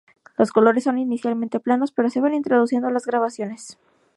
Los colores son inicialmente planos, pero se van introduciendo las gradaciones.